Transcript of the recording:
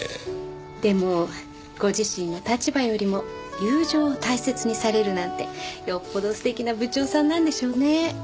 でもご自身の立場よりも友情を大切にされるなんてよっぽど素敵な部長さんなんでしょうね。